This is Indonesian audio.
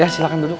ya silahkan duduk